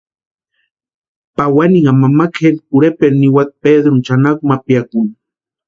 Pawaninha mama kʼeri Pureperu niwati Pedruni chʼanarakwa ma piakuni.